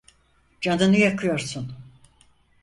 Canını yakıyorsun!